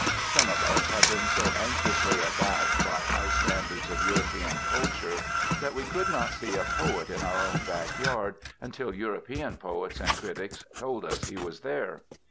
Some of us have been so anxiously abashed by high standards of European culture that we could not see a poet in our own back yard until European poets and critics told us he was there.